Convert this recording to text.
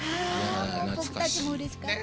僕たちもうれしかった。